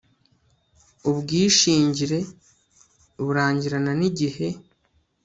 ubwishingire burangirana n'igihe